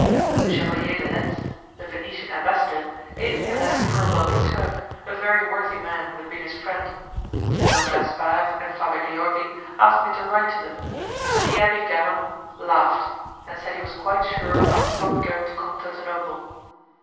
The Chevalier de Lezze, the Venetian Ambassador, gave me a letter for a wealthy Turk, a very worthy man who had been his friend; Don Gaspar and Father Georgi asked me to write to them, but the Abbé Gams, laughed, and said he was quite sure I was not going to Constantinople.